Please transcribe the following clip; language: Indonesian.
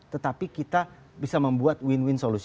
tetapi kita bisa membuat win win solution